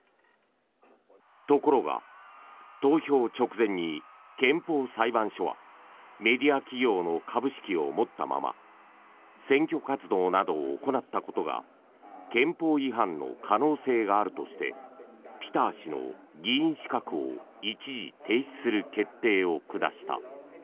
ところが投票直前に憲法裁判所はメディア企業の株式を持ったまま選挙活動などを行ったことが憲法違反の可能性があるとしてピター氏の議員資格を一時、停止する決定を下した。